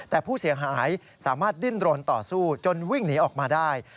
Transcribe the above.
แต่ผู้เสียหายสามารถดิ้นรนต่อสู้จนวิ่งหนีออกมาได้